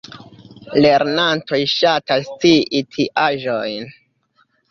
Lernantoj ŝatas scii tiaĵojn!